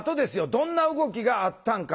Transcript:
どんな動きがあったんかね？